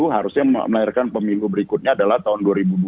harusnya melahirkan pemilu berikutnya adalah tahun dua ribu dua puluh